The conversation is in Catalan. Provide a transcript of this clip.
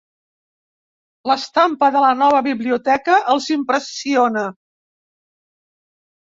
L'estampa de la nova biblioteca els impressiona.